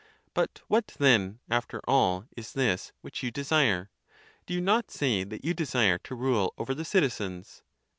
But what then, after all, is this which you de sire? Do you not say that you desire to rule over the citizens?